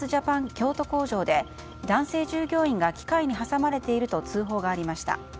京都工場で男性従業員が機械に挟まれていると通報がありました。